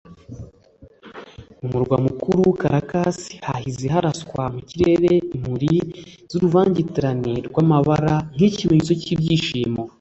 mu murwa mukuru Caracas hahize haraswa mu kirere imuri z’uruvangitirane rw’amabara nk’ikimenyetso cy’ibyishimo